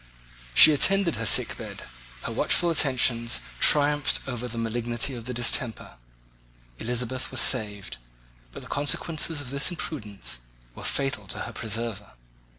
She attended her sickbed; her watchful attentions triumphed over the malignity of the distemper—Elizabeth was saved, but the consequences of this imprudence were fatal to her preserver.